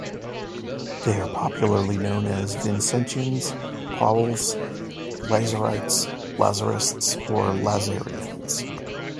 They are popularly known as Vincentians, Paules, Lazarites, Lazarists, or Lazarians.